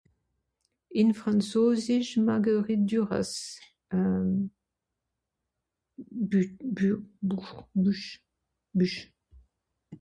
ìn franzosisch Marguerite Duras euh bü bür bur büch büch